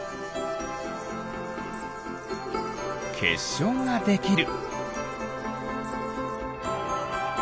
けっしょうができる。